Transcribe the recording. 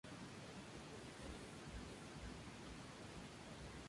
Finalmente, River Plate compró la totalidad del pase en una operación muy dudosa.